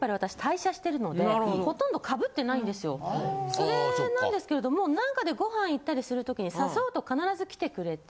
それなんですけれどもなんかでご飯行ったりするときに誘うと必ず来てくれて。